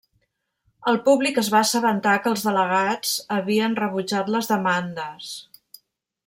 El públic es va assabentar que els delegats havien rebutjat les demandes.